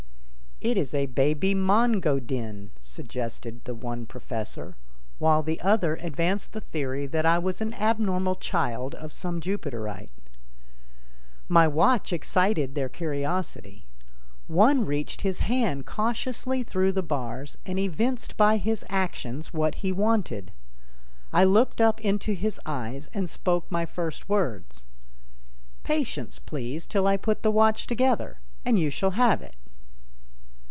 "It is a baby Mon go din," suggested the one professor, while the other advanced the theory that I was an abnormal child of some Jupiterite. My watch excited their curiosity. One reached his hand cautiously through the bars and evinced by his actions what he wanted. I looked up into his eyes and spoke my first words. "Patience, please, till I put the watch together, and you shall have it."